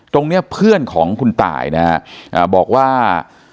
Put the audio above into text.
ตรงนี้เพื่อนของคุณตายนะฮะบอกว่า